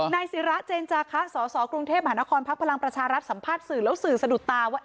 ศิราเจนจาคะสสกรุงเทพมหานครพักพลังประชารัฐสัมภาษณ์สื่อแล้วสื่อสะดุดตาว่า